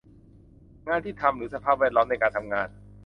งานที่ทำ หรือ สภาพแวดล้อมในการทำงาน